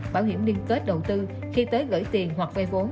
bảo hiểm liên kết đầu tư khi tới gửi tiền hoặc vây vốn